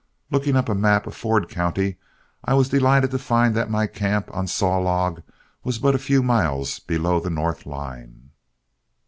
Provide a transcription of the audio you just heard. Looking up a map of Ford County, I was delighted to find that my camp on Saw Log was but a few miles below the north line.